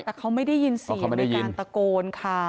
แต่เขาไม่ได้ยินเสียงในการตะโกนค่ะ